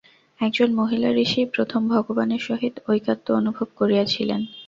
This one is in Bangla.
একজন মহিলা-ঋষিই প্রথম ভগবানের সহিত ঐকাত্ম্য অনুভব করিয়াছিলেন।